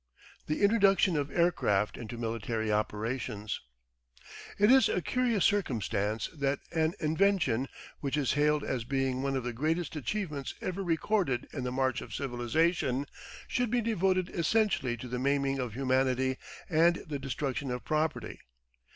THE INTRODUCTION OF AIRCRAFT INTO MILITARY OPERATIONS It is a curious circumstance that an invention, which is hailed as being one of the greatest achievements ever recorded in the march of civilisation, should be devoted essentially to the maiming of humanity and the destruction of property.